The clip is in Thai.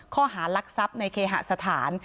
ข้อหารักทรัพย์ในเคหสถาน